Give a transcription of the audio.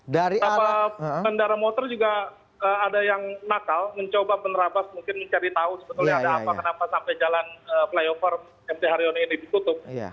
sama kendaraan motor juga ada yang nakal mencoba menerapas mungkin mencari tahu sebetulnya ada apa apa sampai jalan flyover mc haryono ini ditutup